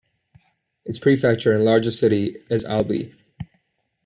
Its prefecture and largest city is Albi.